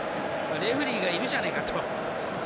レフェリーがいるじゃないかと。